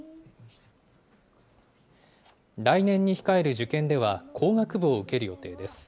来年に控える受験では工学部を受ける予定です。